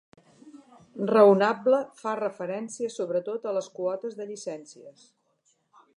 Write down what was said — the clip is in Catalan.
Raonable fa referència sobretot a les quotes de llicències.